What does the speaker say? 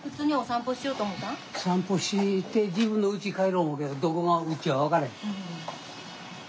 散歩して自分のうち帰ろう思うけどどこがうちや分からへん。